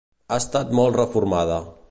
Ha estat molt reformada.